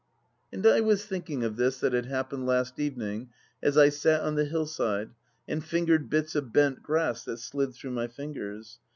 And I was thinking of this that had happened last evening as I sat on the hill side and fingered bits of bent grass that slid through my fingers.